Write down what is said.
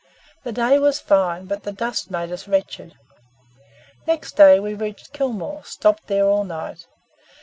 The day was fine, but the dust made us wretched. Next day, we reached Kilmore stopped there all night.